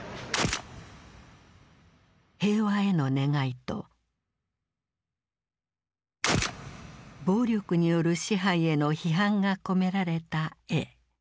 平和への願いと暴力による支配への批判が込められた絵。